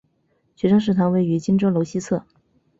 学生食堂位于荆州楼西侧。